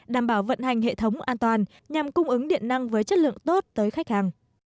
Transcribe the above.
đảm bảo vận hành hệ thống an toàn nhằm cung ứng điện năng với chất lượng tốt tới khách hàng